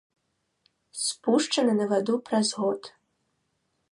Спушчаны на ваду праз год.